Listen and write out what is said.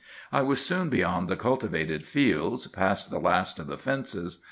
I was soon beyond the cultivated fields, past the last of the fences.